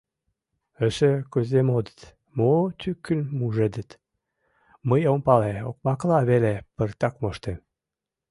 Эше кузе модыт, мо тӱкын мужедыт — мый ом пале, окмакла веле пыртак моштем.